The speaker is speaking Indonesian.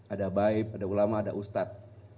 ada baik ada ulama ada ustad